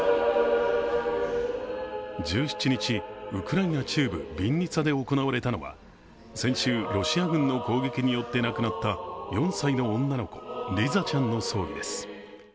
１７日、ウクライナ中部ビンニツァで行われたのは先週、ロシア軍の攻撃によって亡くなった４歳の女の子、リザちゃんの葬儀です。